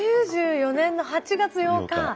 ９４年の８月８日。